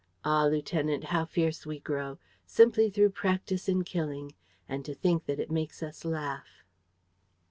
Ah, lieutenant, how fierce we grow! Simply through practise in killing! And to think that it makes us laugh!"